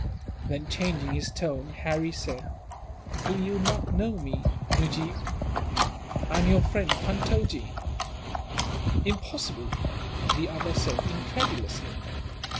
Then, changing his tone, Harry said: "You do not know me, Nujeef. I am your friend, Puntojee." "Impossible!" the other said, incredulously.